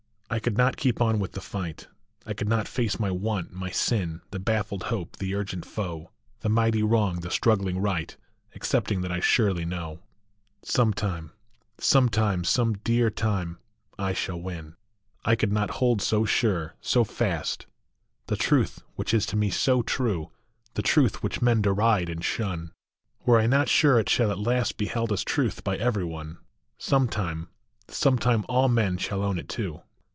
I could not keep on with the fight ; I could not face my want, my sin, The baffled hope, the urgent foe, The mighty wrong, the struggling right, Excepting that I surely know Some time Some time, some dear time, I shall win. I could not hold so sure, so fast, The truth which is to me so true, The truth which men deride and shun, SOME TIME. 167 Were I not sure it shall at last Be held as truth by every one Some time, Some time all men shall own it too.